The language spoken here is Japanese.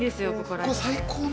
最高の。